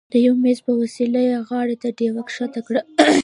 د یوه مزي په وسیله یې غار ته ډیوه ښکته کړه.